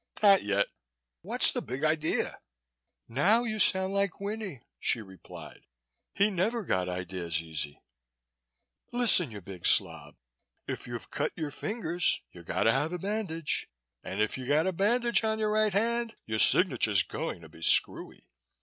"Not yet. What's the big idea?" "Now you sound like Winnie," she replied. "He never got ideas easy. Listen, you big slob, if you've cut your fingers you got to have a bandage and if you got a bandage on your right hand, your signature's going to be screwy.